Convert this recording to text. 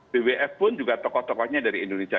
bwf pun juga tokoh tokohnya dari indonesia